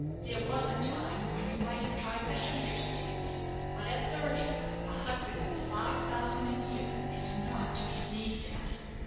There was a time when you might have tried for heavier stakes; but at thirty, a husband with five thousand a year is not to be sneezed at."